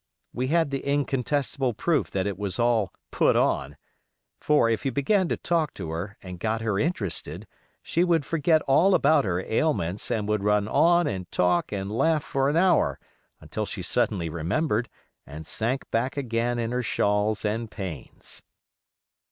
We had the incontestable proof that it was all "put on"; for if you began to talk to her, and got her interested, she would forget all about her ailments, and would run on and talk and laugh for an hour, until she suddenly remembered, and sank back again in her shawls and pains.